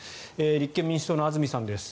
立憲民主党の安住さんです。